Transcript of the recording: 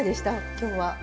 今日は。